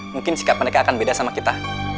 mungkin sikap mereka akan beda sama kita